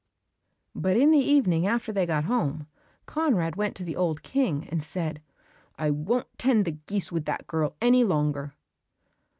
But in the evening after they had got home, Conrad went to the old King, and said, "I won't tend the geese with that girl any longer!"